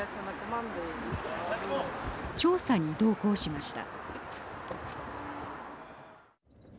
調査に同行しました。